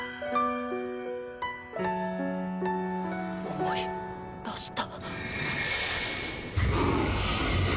思い出した。